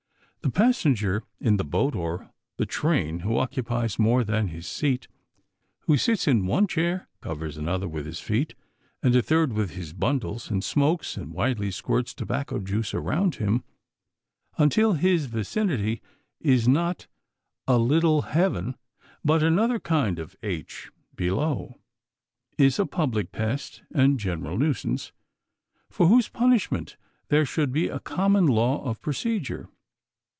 The passenger in the boat or the train who occupies more than his seat, who sits in one chair, covers another with his feet, and a third with his bundles, and smokes, and widely squirts tobacco juice around him until his vicinity is not "a little heaven," but another kind of "h" below, is a public pest and general nuisance, for whose punishment there should be a common law of procedure.